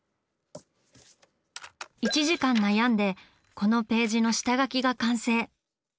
１時間悩んでこのページの下描きが完成。